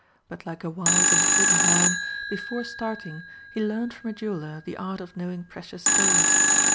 But like a wise and prudent man, before starting he learnt from a jeweller the art of knowing precious stones.